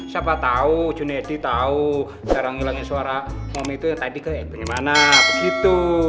siapa tau junaidy tau cara ngulangin suara momi itu yang tadi kayak gimana begitu